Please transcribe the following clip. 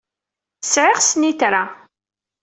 Sɛiɣ snitra.